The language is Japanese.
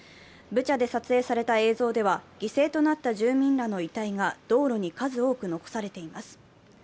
ブチャで撮影された映像では犠牲となった住民らの遺体が道路に数多く残されています。